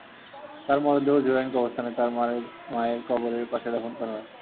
তাঁর মরদেহ জুরাইন কবরস্থানে তাঁর মায়ের কবরের পাশে দাফন করা হয়।